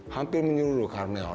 hampir menyuruh nyuruh karmel